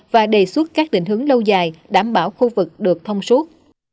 và đề xuất các định hướng lâu dài đảm bảo khu vực được thông suốt